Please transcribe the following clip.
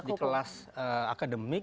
di kelas akademik